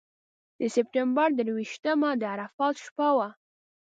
د سپټمبر درویشتمه د عرفات شپه وه.